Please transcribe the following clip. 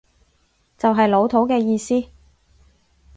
就係老土嘅意思